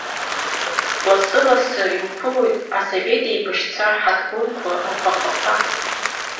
Лассы-лассы иуԥылоит асовет еибашьцәа рҳаҭгәынқәа, рбаҟақәа.